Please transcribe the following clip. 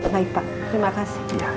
baik pak terima kasih